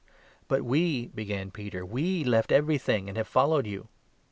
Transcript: "But we," began Peter, "we left everything and have 28 followed you.'